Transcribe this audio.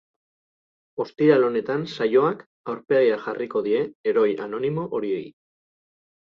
Ostiral honetan saioak aurpegia jarriko die heroi anonimo horiei.